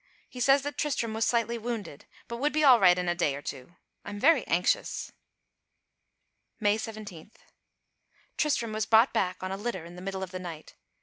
He says that Tristram was slightly wounded; but would be all right in a day or two. I am very anxious. May 17. Tristram was brought back on a litter in the middle of the night.